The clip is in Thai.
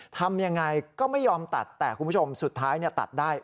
ทำยังไงก็ไม่ยอมตัดแต่คุณผู้ชมสุดท้ายตัดได้